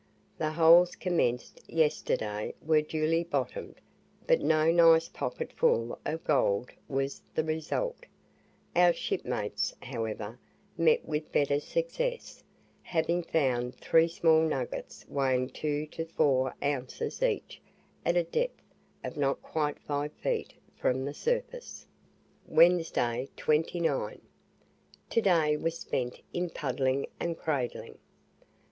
The holes commenced yesterday were duly "bottomed," but no nice pocket full of gold was the result; our shipmates, however, met with better success, having found three small nuggets weighing two to four ounces each at a depth of not quite five feet from the surface. WEDNESDAY, 29. To day was spent in puddling and cradling.